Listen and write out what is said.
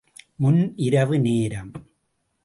முன் இரவு நேரம்.